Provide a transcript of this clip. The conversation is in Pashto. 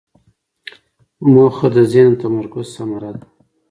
موخه د ذهن د تمرکز ثمره ده.